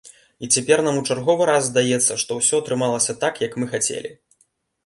І цяпер нам у чарговы раз здаецца, што усё атрымалася так, як мы хацелі.